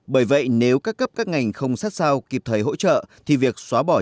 bởi vậy nếu các cấp các ngành không sát sao kịp thời hỗ trợ